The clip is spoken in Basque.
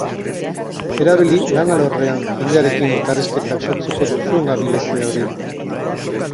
Erabili lan alorrean jendearekin elkarrizketak sortzeko duzun abilezia hori.